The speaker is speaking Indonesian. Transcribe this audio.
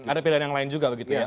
ada pilihan yang lain juga begitu ya